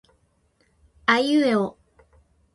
aiueo